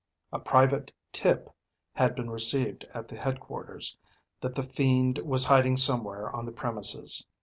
A private "tip" had been received at the headquarters that the fiend was hiding somewhere on the premises.